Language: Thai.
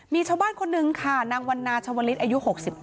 มีชาวบ้านคนนึงค่ะนางวันนาชาวลิศอายุ๖๙